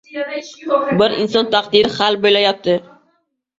Bir inson taqdiri hal bo‘layapti!